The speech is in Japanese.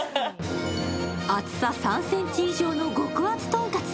厚さ３ｃｍ以上の極厚トンカツ。